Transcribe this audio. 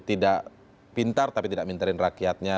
tidak pintar tapi tidak mintarin rakyatnya